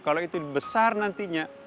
kalau itu besar nantinya